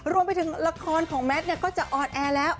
รวมไปถึงละครของแมทก็จะออนแอร์แล้ว